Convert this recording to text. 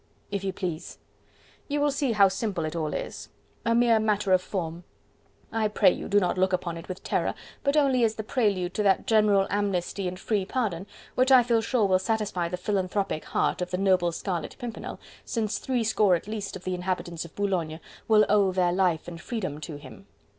"If you please." "You will see how simple it all is.... A mere matter of form.... I pray you do not look upon it with terror, but only as the prelude to that general amnesty and free pardon, which I feel sure will satisfy the philanthropic heart of the noble Scarlet Pimpernel, since three score at least of the inhabitants of Boulogne will owe their life and freedom to him."